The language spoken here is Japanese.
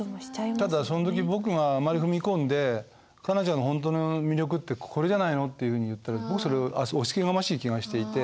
ただその時僕があまり踏み込んで「カナちゃんのほんとの魅力ってこれじゃないの？」っていうふうに言ったら僕それは押しつけがましい気がしていて。